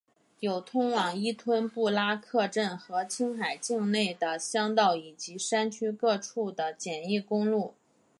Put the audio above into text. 有通往依吞布拉克镇和青海境内的乡道以及山区各处的简易公路。